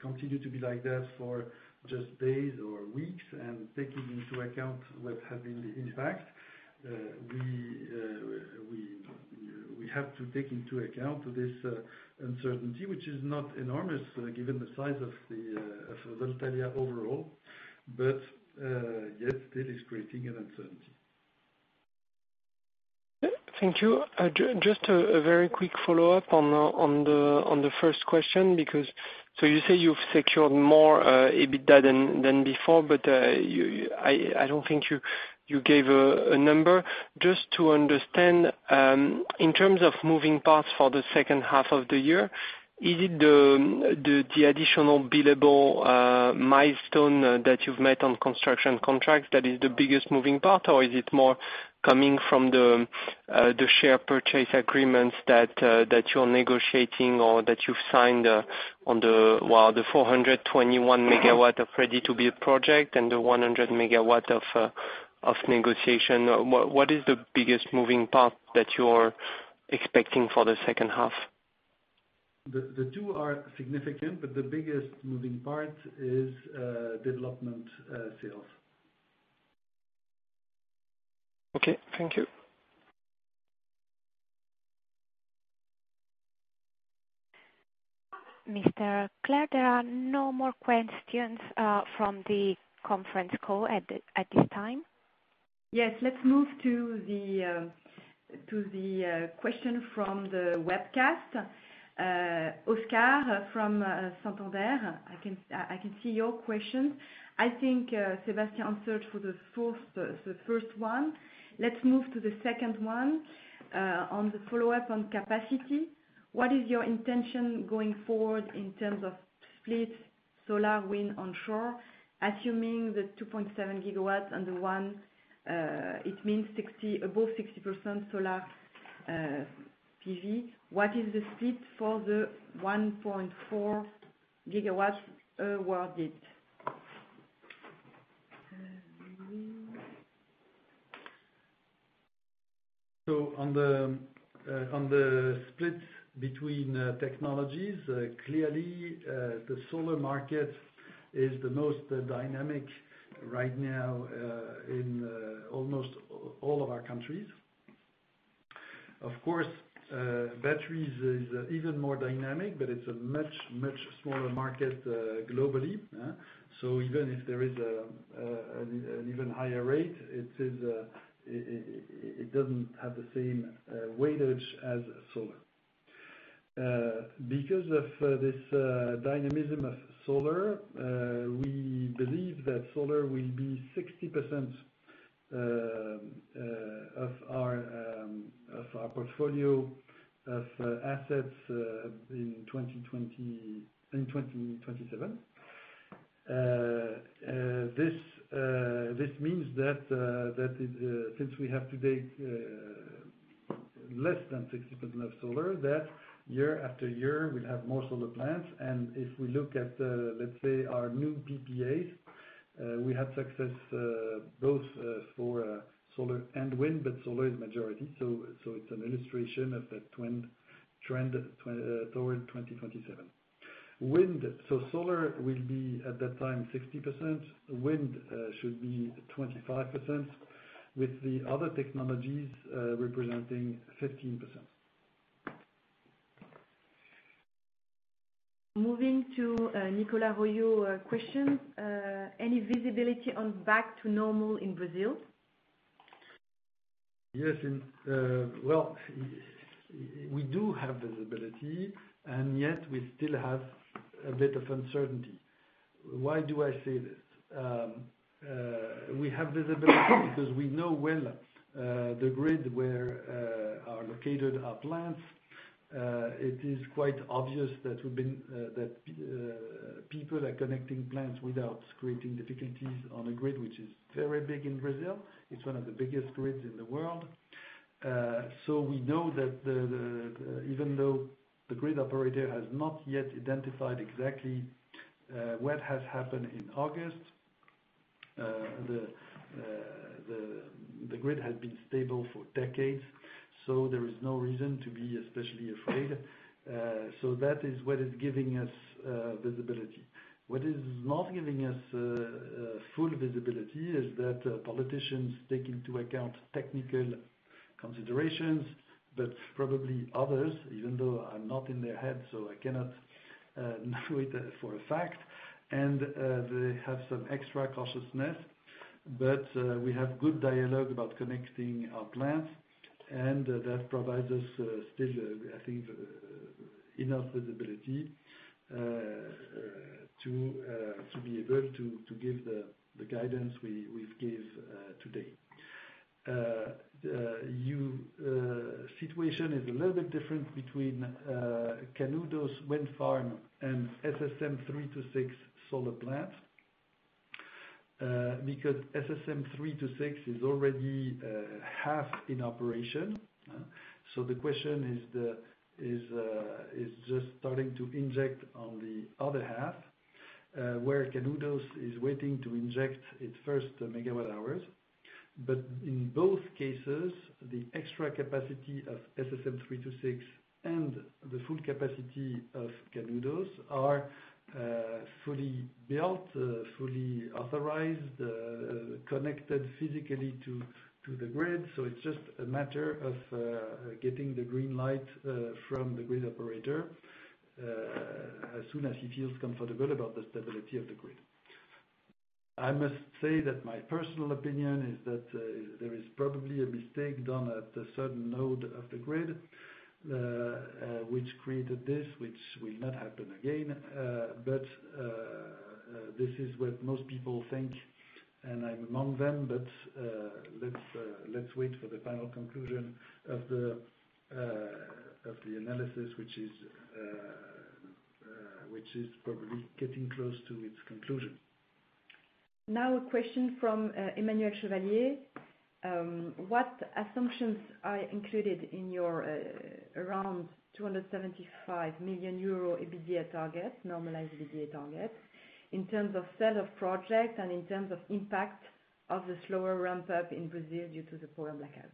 continue to be like that for just days or weeks, and taking into account what have been the impact, we have to take into account this uncertainty, which is not enormous, given the size of Voltalia overall, but yet it is creating an uncertainty. Thank you. Just a very quick follow-up on the first question, because so you say you've secured more EBITDA than before, but you—I don't think you gave a number. Just to understand, in terms of moving parts for the second half of the year, is it the additional billable milestone that you've met on construction contracts that is the biggest moving part? Or is it more coming from the share purchase agreements that you're negotiating or that you've signed on the, well, the 421 MW of ready-to-be project and the 100 MW of negotiation? What is the biggest moving part that you're expecting for the second half? The two are significant, but the biggest moving part is development, sales. Okay, thank you. Mr. Clerc, there are no more questions from the conference call at this time. Yes. Let's move to the question from the webcast. Oscar from Santander, I can see your question. I think Sébastien answered for the first one. Let's move to the second one. On the follow-up on capacity, what is your intention going forward in terms of split solar, wind, onshore? Assuming the 2.7 GWs and the one, it means above 60% solar PV. What is the split for the 1.4 GWs awarded? So on the split between technologies, clearly the solar market is the most dynamic right now in almost all of our countries. Of course, batteries is even more dynamic, but it's a much, much smaller market globally, so even if there is an even higher rate, it doesn't have the same weightage as solar. Because of this dynamism of solar, we believe that solar will be 60% of our portfolio of assets in 2027. This means that since we have today less than 60% of solar, that year after year, we'll have more solar plants. And if we look at, let's say, our new PPAs, we had success both for solar and wind, but solar is majority. So it's an illustration of that trend toward 2027. Wind... So solar will be, at that time, 60%. Wind should be 25%, with the other technologies representing 15%. Moving to, Nicolas Royot question. Any visibility on back to normal in Brazil? Yes. Well, we do have visibility, and yet we still have a bit of uncertainty. Why do I say this? We have visibility because we know well the grid where are located our plants. It is quite obvious that we've been that people are connecting plants without creating difficulties on a grid, which is very big in Brazil. It's one of the biggest grids in the world. So we know that the even though the grid operator has not yet identified exactly what has happened in August the grid has been stable for decades, so there is no reason to be especially afraid. So that is what is giving us visibility. What is not giving us full visibility is that politicians take into account technical factors. considerations, but probably others, even though I'm not in their head, so I cannot know it for a fact. And they have some extra cautiousness, but we have good dialogue about connecting our plants, and that provides us still, I think, enough visibility to be able to give the guidance we give today. Your situation is a little bit different between Canudos wind farm and SSM 3-6 solar plant. Because SSM 3-6 is already half in operation, so the question is just starting to inject on the other half, where Canudos is waiting to inject its first MWhs. But in both cases, the extra capacity of SSM 3-6 and the full capacity of Canudos are fully built, fully authorized, connected physically to the grid. So it's just a matter of getting the green light from the grid operator as soon as he feels comfortable about the stability of the grid. I must say that my personal opinion is that there is probably a mistake done at a certain node of the grid which created this, which will not happen again. But this is what most people think, and I'm among them. Let's wait for the final conclusion of the analysis, which is probably getting close to its conclusion. Now, a question from Emmanuel Chevalier. What assumptions are included in your around 275 million euro EBITDA target, normalized EBITDA target, in terms of sale of project and in terms of impact of the slower ramp-up in Brazil due to the power blackout?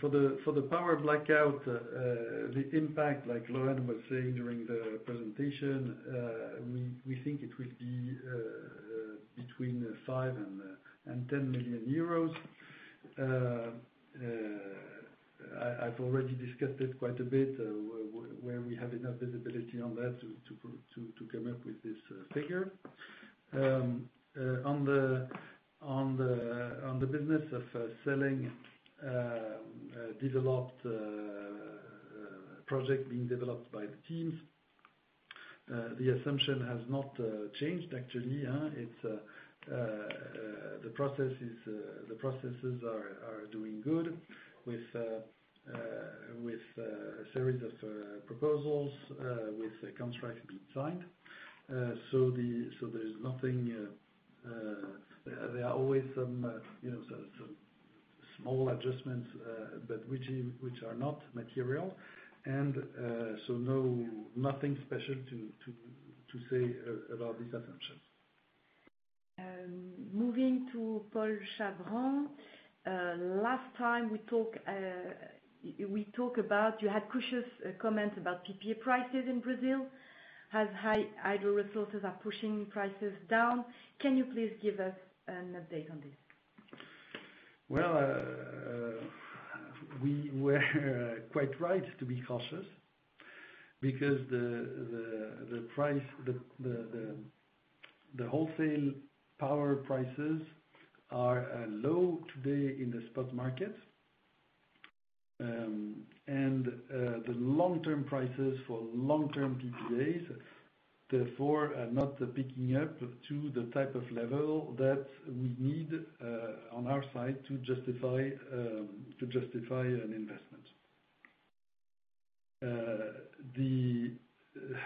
For the power blackout, the impact, like Loan was saying during the presentation, we think it will be between 5 million and 10 million euros. I've already discussed it quite a bit, where we have enough visibility on that to come up with this figure. On the business of selling developed projects being developed by the teams, the assumption has not changed, actually, it's the processes are doing good with a series of proposals with contracts being signed. So there is nothing... There are always some, you know, some small adjustments, but which are not material, and so nothing special to say about these assumptions. Moving to Paul Chabroux. Last time we talk about you had cautious comments about PPA prices in Brazil, as high hydro resources are pushing prices down. Can you please give us an update on this? Well, we were quite right to be cautious because the price, the wholesale power prices are low today in the spot market. And the long-term prices for long-term PPAs, therefore, are not picking up to the type of level that we need on our side to justify an investment.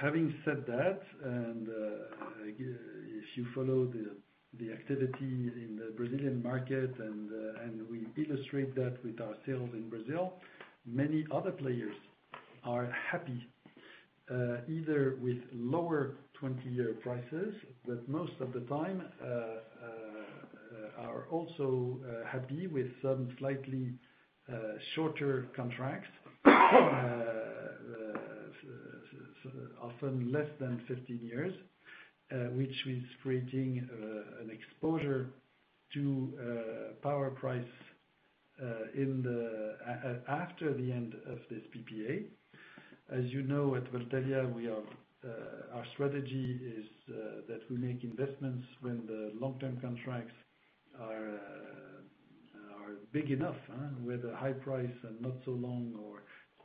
Having said that, and if you follow the activity in the Brazilian market, and we illustrate that with our sales in Brazil, many other players are happy either with lower 20-year prices, but most of the time are also happy with some slightly shorter contracts, often less than 15 years, which is creating an exposure to power price in the after the end of this PPA. As you know, at Voltalia, our strategy is that we make investments when the long-term contracts are big enough, with a high price and not so long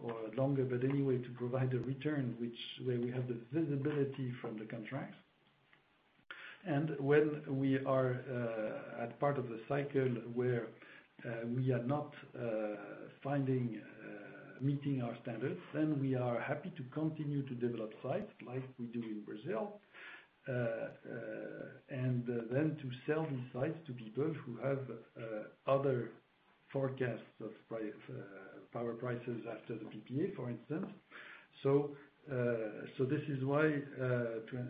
or longer, but anyway, to provide a return, where we have the visibility from the contracts. And when we are at part of the cycle where we are not meeting our standards, then we are happy to continue to develop sites like we do in Brazil. And then, to sell these sites to people who have other forecasts of power prices after the PPA, for instance. So, so this is why, to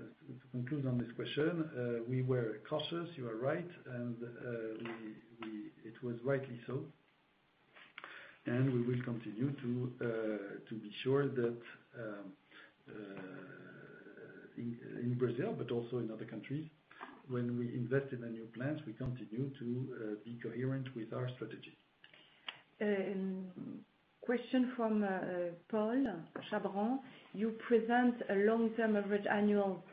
conclude on this question, we were cautious, you are right, and it was rightly so. We will continue to be sure that, in Brazil but also in other countries, when we invest in the new plants, we continue to be coherent with our strategy. Question from Paul Chabroux, you present a long-term average annual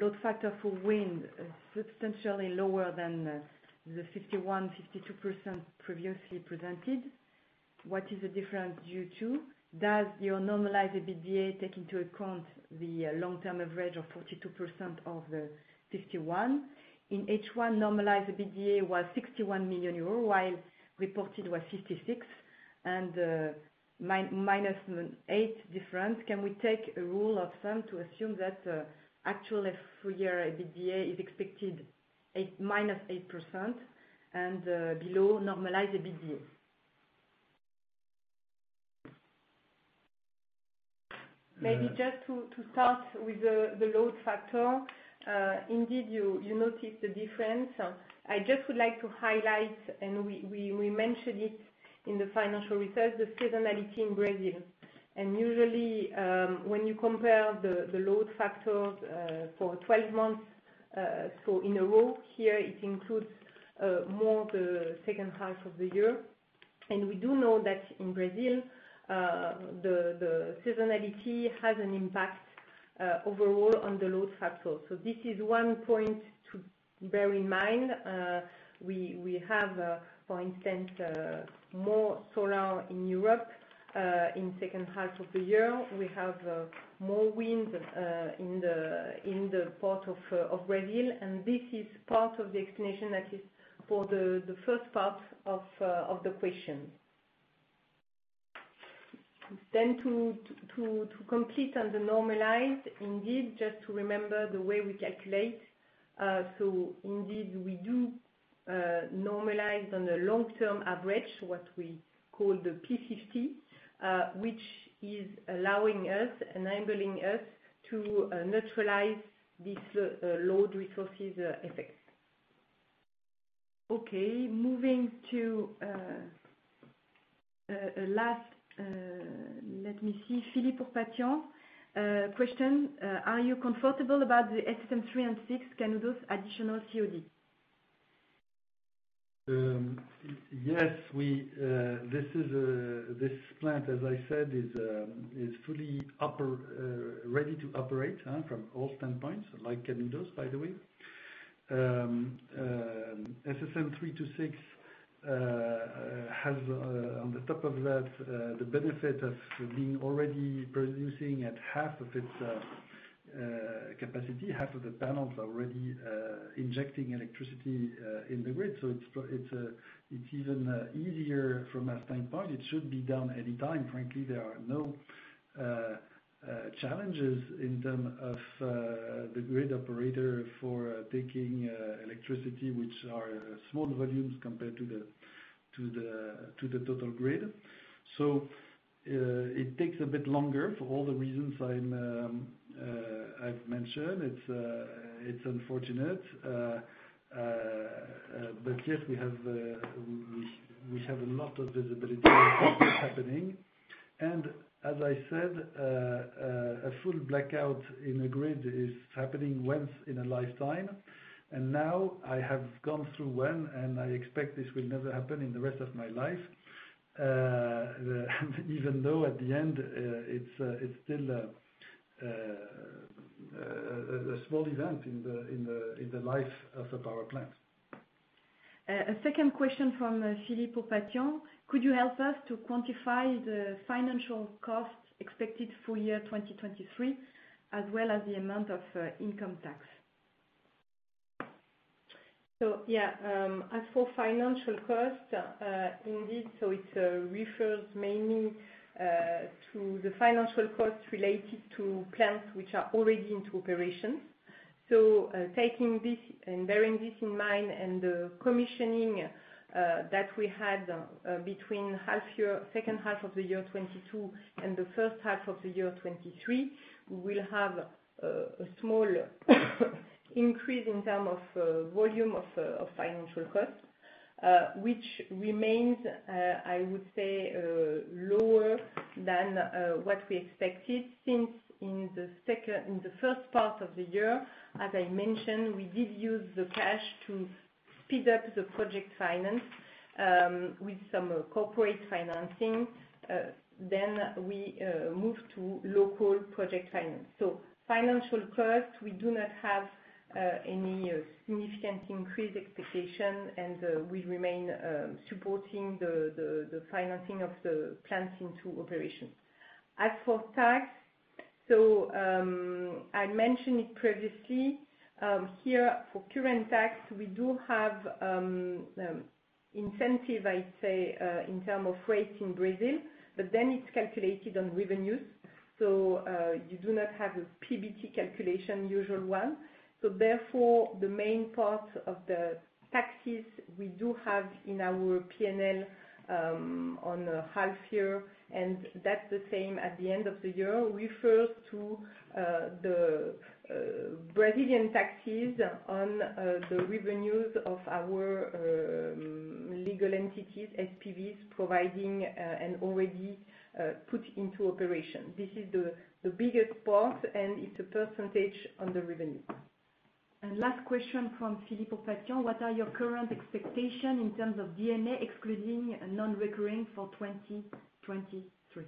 load factor for wind substantially lower than the 51-52% previously presented. What is the difference due to? Does your normalized EBITDA take into account the long-term average of 42% of the 51? In H1, normalized EBITDA was 61 million euro, while reported was 56 million, and -8% difference. Can we take a rule of thumb to assume that actual full year EBITDA is expected -8% and below normalized EBITDA? Maybe just to start with the load factor. Indeed, you notice the difference. I just would like to highlight, and we mentioned it in the financial results, the seasonality in Brazil. And usually, when you compare the load factors for 12 months, so in a row here, it includes more the second half of the year. And we do know that in Brazil, the seasonality has an impact overall on the load factor. So this is one point to bear in mind. We have, for instance, more solar in Europe in second half of the year. We have more wind in the part of Brazil, and this is part of the explanation that is for the first part of the question. Then, to complete on the normalized, indeed, just to remember the way we calculate. So indeed, we do normalize on a long-term average, what we call the P50, which is allowing us, enabling us to neutralize these load resources effects. Okay, moving to last, let me see, Philippe Ourpatian question. Are you comfortable about the SSM 3 and 6 Canudos additional COD? Yes, we, this is this plant, as I said, is fully ready to operate from all standpoints, like Canudos, by the way. SSM 3-6 has, on the top of that, the benefit of being already producing at half of its capacity. Half of the panels are already injecting electricity in the grid, so it's even easier from our standpoint. It should be done any time. Frankly, there are no challenges in term of the grid operator for taking electricity, which are small volumes compared to the total grid. So, it takes a bit longer for all the reasons I've mentioned. It's unfortunate. But yes, we have a lot of visibility happening. As I said, a full blackout in a grid is happening once in a lifetime. Now I have gone through one, and I expect this will never happen in the rest of my life. Even though at the end, it's still a small event in the life of a power plant. A second question from Philippe Aubertin. Could you help us to quantify the financial costs expected full year 2023, as well as the amount of income tax? So yeah, as for financial costs, indeed, so it refers mainly to the financial costs related to plants which are already into operations. So, taking this and bearing this in mind, and the commissioning that we had between second half of the year 2022 and the first half of the year 2023, we will have a small increase in term of volume of financial costs, which remains, I would say, lower than what we expected since in the first part of the year, as I mentioned, we did use the cash to speed up the project finance with some corporate financing. Then we moved to local project finance. So financial costs, we do not have any significant increase expectation, and we remain supporting the financing of the plants into operation. As for tax, I mentioned it previously, here for current tax, we do have incentive, I'd say, in term of rate in Brazil, but then it's calculated on revenues. So you do not have a PBT calculation, usual one. So therefore, the main part of the taxes we do have in our PNL on the half year, and that's the same at the end of the year, refers to the Brazilian taxes on the revenues of our legal entities, SPVs, providing and already put into operation. This is the biggest part, and it's a percentage on the revenue. Last question from Philippe Ourpatian, what are your current expectations in terms of D&A, excluding non-recurring for 2023?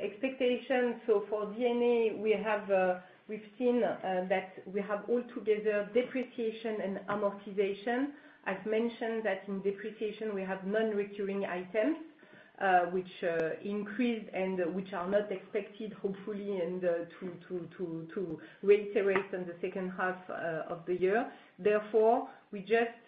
Expectations. So for D&A, we have, we've seen, that we have all together depreciation and amortization. I've mentioned that in depreciation we have non-recurring items, which increase and which are not expected, hopefully, and to reiterate on the second half of the year. Therefore, we just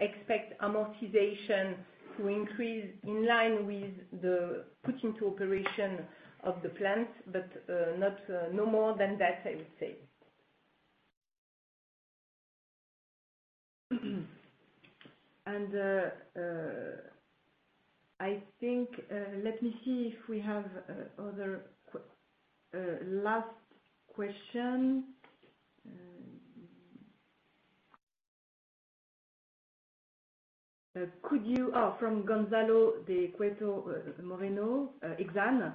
expect amortization to increase in line with the put into operation of the plant, but not no more than that, I would say. I think let me see if we have other questions. Last question. Could you... Oh, from Gonzalo de Cueto Moreno, Exane.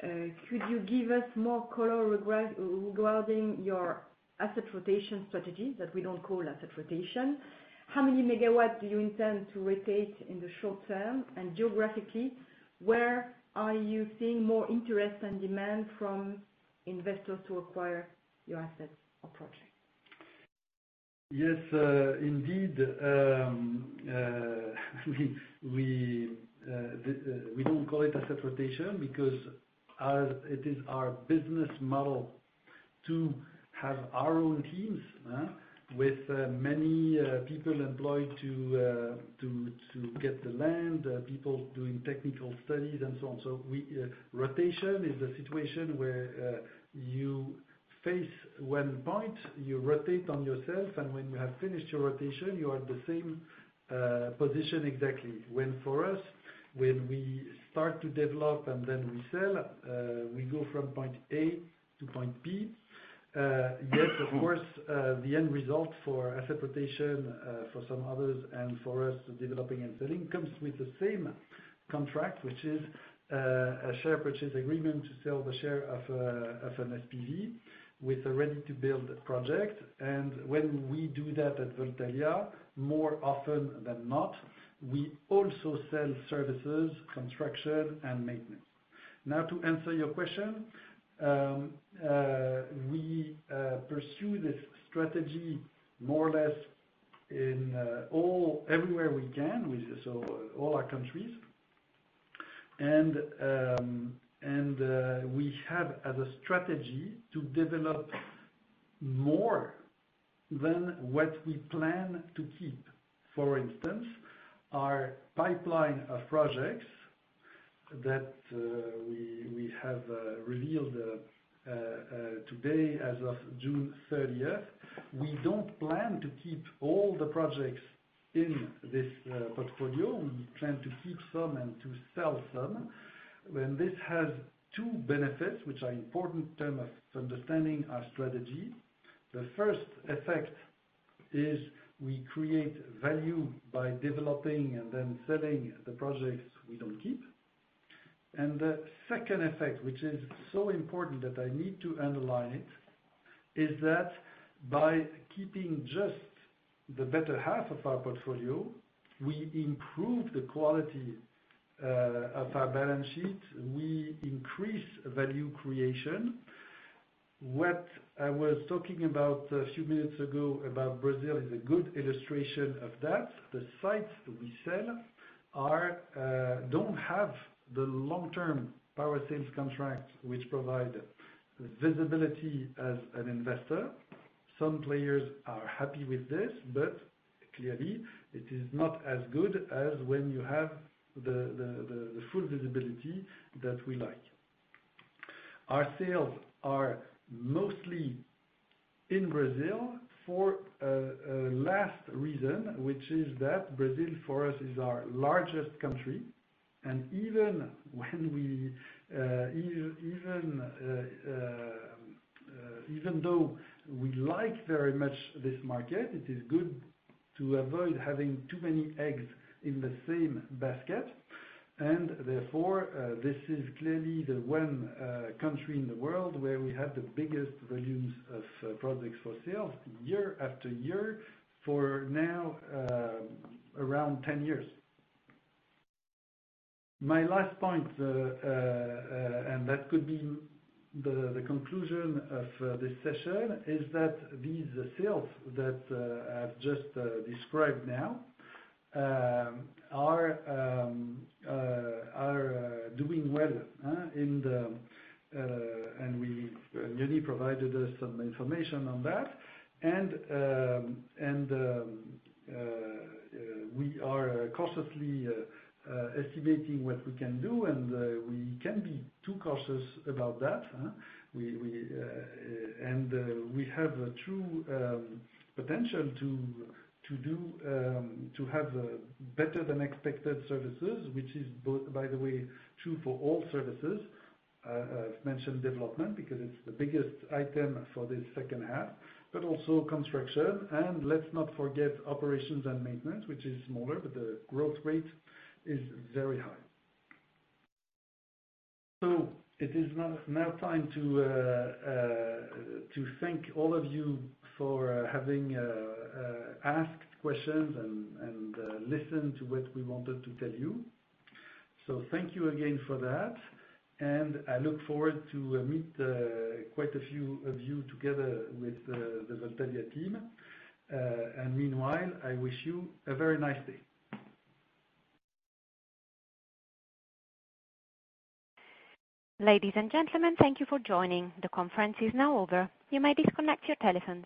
Could you give us more color regarding your asset rotation strategy, that we don't call asset rotation? How many MWs do you intend to rotate in the short term? Geographically, where are you seeing more interest and demand from investors to acquire your assets or project? Yes, indeed, we don't call it asset rotation because as it is our business model to have our own teams with many people employed to get the land, people doing technical studies, and so on. So rotation is a situation where you face one point, you rotate on yourself, and when you have finished your rotation, you are at the same position exactly. For us, when we start to develop and then we sell, we go from point A to point B. Yes, of course, the end result for asset rotation, for some others and for us, developing and selling, comes with the same contract, which is a share purchase agreement to sell the share of an SPV with a ready-to-build project. And when we do that at Voltalia, more often than not, we also sell services, construction, and maintenance. Now, to answer your question, we pursue this strategy more or less in all, everywhere we can, with so all our countries. And we have as a strategy to develop more than what we plan to keep. For instance, our pipeline of projects that we have revealed today, as of June thirtieth. We don't plan to keep all the projects in this portfolio. We plan to keep some and to sell some. Well, this has two benefits, which are important in terms of understanding our strategy. The first effect is we create value by developing and then selling the projects we don't keep. And the second effect, which is so important that I need to underline it, is that by keeping just the better half of our portfolio, we improve the quality of our balance sheet, we increase value creation. What I was talking about a few minutes ago, about Brazil, is a good illustration of that. The sites we sell don't have the long-term power sales contracts, which provide visibility as an investor. Some players are happy with this, but clearly it is not as good as when you have the full visibility that we like. Our sales are mostly in Brazil for last reason, which is that Brazil, for us, is our largest country, and even when we even though we like very much this market, it is good to avoid having too many eggs in the same basket. And therefore, this is clearly the one country in the world where we have the biggest volumes of projects for sales, year after year, for now, around 10 years. My last point, and that could be the conclusion of this session, is that these sales that I've just described now are doing well in the... And Loan provided us some information on that. We are cautiously estimating what we can do, and we can be too cautious about that, huh? We have a true potential to have better-than-expected services, which is, by the way, true for all services. I've mentioned development, because it's the biggest item for this second half, but also construction. And let's not forget operations and maintenance, which is smaller, but the growth rate is very high. So it is now time to thank all of you for having asked questions and listened to what we wanted to tell you. So thank you again for that, and I look forward to meet quite a few of you together with the Voltalia team. And meanwhile, I wish you a very nice day. Ladies and gentlemen, thank you for joining. The conference is now over. You may disconnect your telephones.